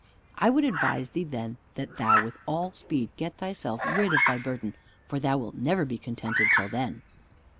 "I would advise thee, then, that thou with all speed get thyself rid of thy burden, for thou wilt never be contented till then."